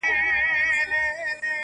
پل مي دي پیدا کی له رویبار سره مي نه لګي-